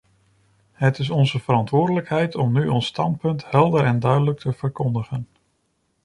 Het is onze verantwoordelijkheid om nu ons standpunt helder en duidelijk te verkondigen.